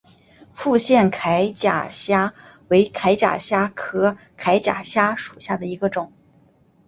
复线铠甲虾为铠甲虾科铠甲虾属下的一个种。